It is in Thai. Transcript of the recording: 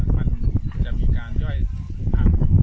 สวัสดีครับคุณผู้ชาย